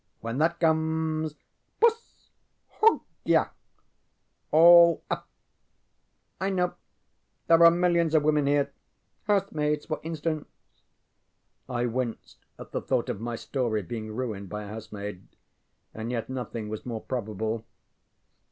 When that comes; bus hogya all up! I know. There are millions of women here. Housemaids, for instance. ŌĆØ I winced at the thought of my story being ruined by a housemaid. And yet nothing was more probable.